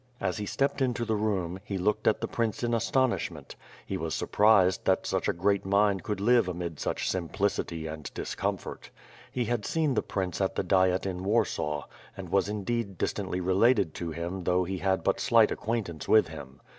As he stepped into the room, he looked at the prince in as tonishment, lie was surprised that such a great mind could live amid such simplicity and discomfort. lie had seen the prince at the Diet in Warsaw, and was indeed distantly re lated to him though he had but slight acquaintance with him.